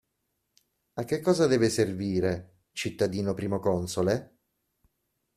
A che cosa deve servire, cittadino Primo Console?